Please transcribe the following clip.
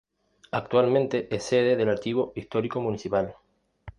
Actualmente es sede del Archivo Histórico Municipal.